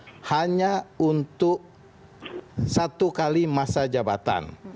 itu hanya untuk satu kali masa jabatan